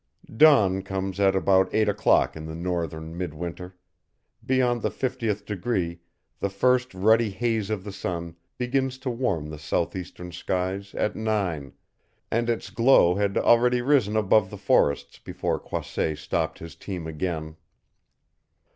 Dawn comes at about eight o'clock in the northern mid winter; beyond the fiftieth degree the first ruddy haze of the sun begins to warm the southeastern skies at nine, and its glow had already risen above the forests before Croisset stopped his team again.